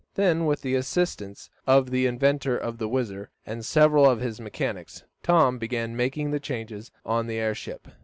Then, with the assistance of the inventor of the WHIZZER, and several of his mechanics, Tom began making the changes on the airship.